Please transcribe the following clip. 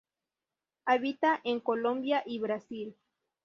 Habita en Colombia y Brasil.